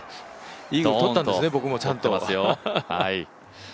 イーグルとったんですね、僕もちゃんと。